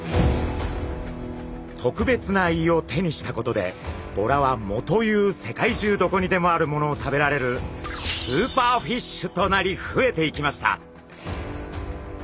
特別な胃を手にしたことでボラは藻という世界中どこにでもあるものを食べられるスーパーフィッシュとなり増えていきました。